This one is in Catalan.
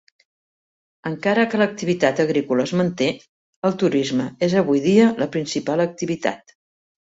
Encara que l'activitat agrícola es manté, el turisme és avui dia la principal activitat.